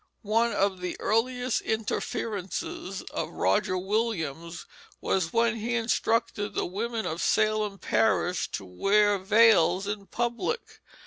One of the earliest interferences of Roger Williams was when he instructed the women of Salem parish always to wear veils in public.